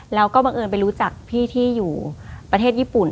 แล้วก็บังเอิญไปรู้จักพี่ที่อยู่ประเทศญี่ปุ่น